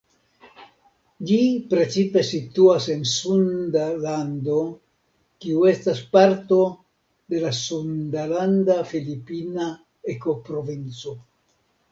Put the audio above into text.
Ĝi precipe situas en Sunda Lando, kiu estas parto de la sundalanda-filipina ekoprovinco.